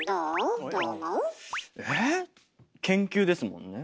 研究ですもんね。